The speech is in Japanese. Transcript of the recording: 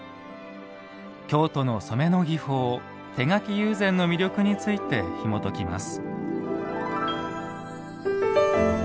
京都の染めの技法手描き友禅の魅力についてひもときます。